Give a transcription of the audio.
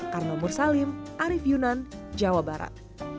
karma mursalim arief yunan jawa barat